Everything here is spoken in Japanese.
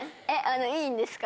いいんですか？